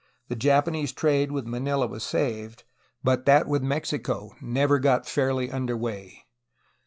The Japanese trade with Manila was saved, but that with Mexico never got fairly under way.